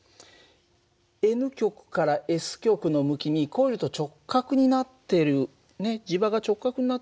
Ｎ極からＳ極の向きにコイルと直角になってる磁場が直角になってる事が分かるね。